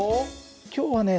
今日はね